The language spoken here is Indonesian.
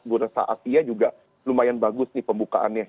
buat saat dia juga lumayan bagus nih pembukaannya